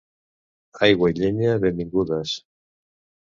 Aigua i llenya, benvingudes.